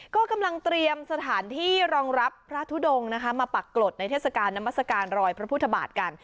ก็กำลังเตรียมสถานที่รองรับพระทุดงนะคะมาปรากฏในเทศกาลน้ำมัศกาลรอยพระพุทธบาทกัน